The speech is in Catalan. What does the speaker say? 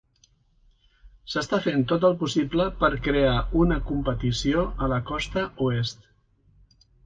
S'està fent tot el possible per crear una competició a la costa oest.